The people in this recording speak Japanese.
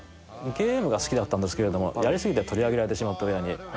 ゲームが好きだったんですけれどもやり過ぎて取り上げられてしまって親に。